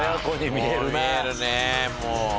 見えるねもう。